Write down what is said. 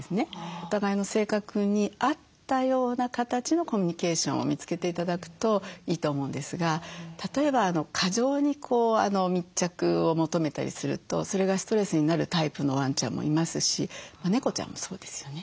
お互いの性格に合ったような形のコミュニケーションを見つけて頂くといいと思うんですが例えば過剰に密着を求めたりするとそれがストレスになるタイプのワンちゃんもいますし猫ちゃんもそうですよね。